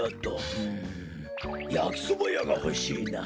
やきそばやがほしいな。